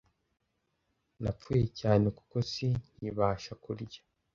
Napfuye cyane kuko si nkibasha kurya